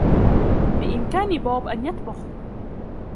بإمكان بوب أن يطبخ.